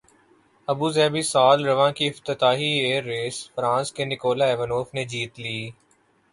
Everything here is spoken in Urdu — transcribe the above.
ابوظہبی سال رواں کی افتتاحی ایئر ریس فرانس کے نکولا ایوانوف نے جیت لی